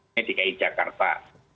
ini dikait jakarta